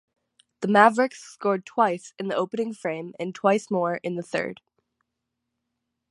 The Mavericks scored twice in the opening frame and twice more in the third.